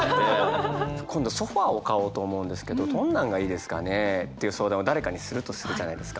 「今度ソファーを買おうと思うんですけどどんなんがいいですかね？」っていう相談を誰かにするとするじゃないですか。